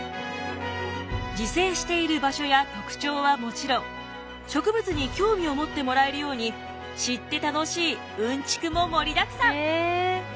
自生している場所や特徴はもちろん植物に興味を持ってもらえるように知って楽しいうんちくも盛りだくさん。